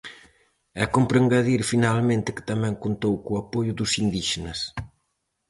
E cómpre engadir finalmente que tamén contou co apoio dos indíxenas.